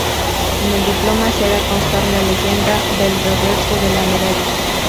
En el diploma se hará constar la leyenda del reverso de la medalla.